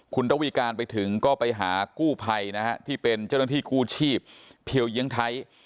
คุณระวีการไปถึงก็ไปหากู้ภัยนะฮะที่เป็นเจ้าหน้าที่กู้ชีพเพียวเยียงไทย